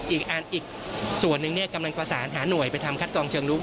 อีกส่วนหนึ่งกำลังประสานหาหน่วยไปทำคัดกองเชิงลุก